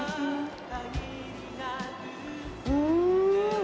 うん。